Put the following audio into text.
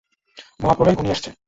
মহাপ্রলয় ঘনিয়ে আসছে!